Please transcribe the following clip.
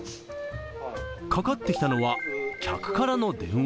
かかってきたのは、客からの電話。